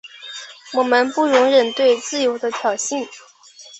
我们不容忍对自由的挑衅。